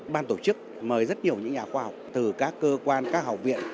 ban tổ chức mời rất nhiều những nhà khoa học từ các cơ quan các học viện